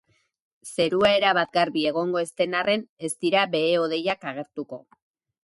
Zerua erabat garbi egongo ez den arren, ez dira behe-hodeiak agertuko.